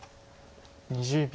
２０秒。